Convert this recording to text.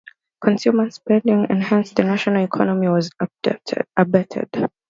Consumer spending, and hence the national economy, was abetted.